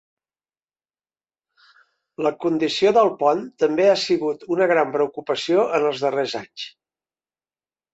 La condició del pont també ha sigut una gran preocupació en els darrers anys.